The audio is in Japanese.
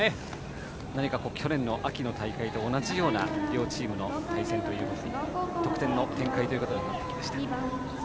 何か去年秋の大会と同じような両チームの対戦の中での得点の展開になってきました。